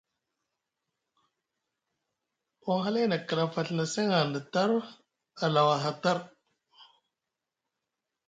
Won halay na kɗaf a Ɵina seŋ hanɗa tar a lawa aha tar.